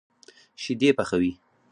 شيدې پخوي.